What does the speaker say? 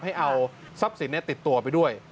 ให้เอาทรัพย์สินติดตัวไปด้วย